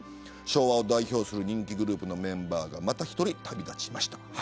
昭和を代表する人気グループのメンバーがまた１人、旅立ちました。